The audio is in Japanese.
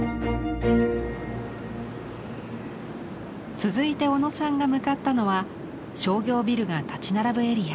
続いて小野さんが向かったのは商業ビルが立ち並ぶエリア。